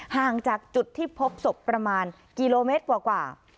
ห่างจากจุดที่พบศพประมาณกิโลเมตรกว่า